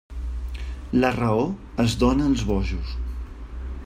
La raó es dóna als bojos.